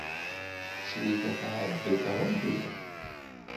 Crifa tɛebbed Ṛebbi.